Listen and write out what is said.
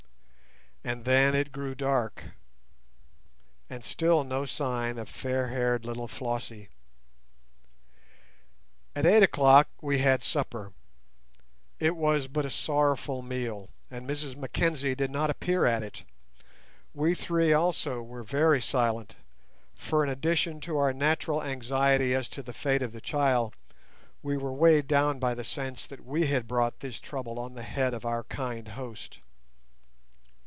And then it grew dark, and still no sign of fair haired little Flossie. At eight o'clock we had supper. It was but a sorrowful meal, and Mrs Mackenzie did not appear at it. We three also were very silent, for in addition to our natural anxiety as to the fate of the child, we were weighed down by the sense that we had brought this trouble on the head of our kind host.